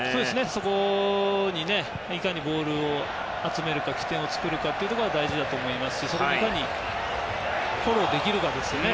そこにいかにボールを集めるか起点を作るかが大事だと思いますしそこをいかにフォローできるかですね。